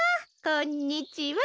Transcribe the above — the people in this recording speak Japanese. こんにちは。